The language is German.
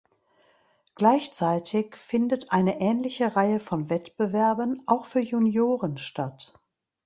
Gleichzeitig findet eine ähnliche Reihe von Wettbewerben auch für Junioren statt.